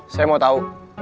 saya mau tahu